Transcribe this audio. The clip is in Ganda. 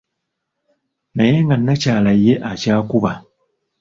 Naye nga nnakyala ye akyakuba